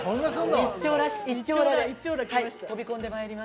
一張羅で飛び込んでまいります。